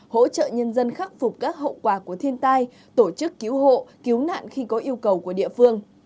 hỗ trợ nhân dân khắc phục các hậu quả của thiên tai tổ chức cứu hộ cứu nạn khi có yêu cầu của địa phương